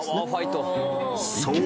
［そう。